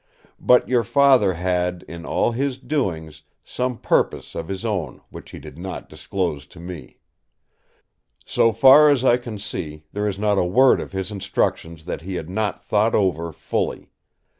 But your Father had, in all his doings, some purpose of his own which he did not disclose to me. So far as I can see, there is not a word of his instructions that he had not thought over fully.